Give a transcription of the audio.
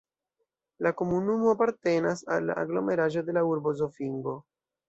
La komunumo apartenas al la aglomeraĵo de la urbo Zofingo.